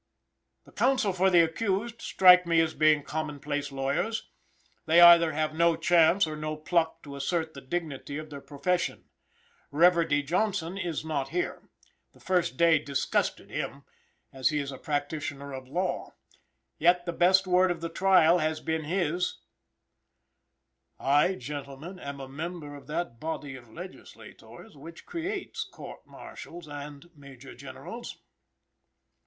The counsel for the accused strike me as being commonplace lawyers. They either have no chance or no pluck to assert the dignity of their profession. Reverdy Johnson is not here. The first day disgusted him, as he is a practitioner of law. Yet the best word of the trial has been his: "I, gentlemen, am a member of that body of legislators which creates courts martial and major generals!"